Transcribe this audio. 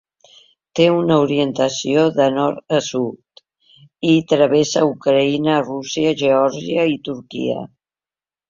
Té una orientació de nord a sud i travessa Ucraïna, Rússia, Geòrgia i Turquia.